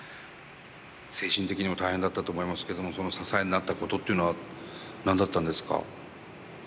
精神的にも大変だったと思いますけどもその支えになったことっていうのは何だったんですか？